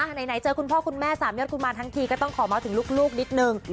ไหนเจอคุณพ่อคุณแม่สามยอดกุมารทั้งทีก็ต้องขอมาถึงลูกนิดนึง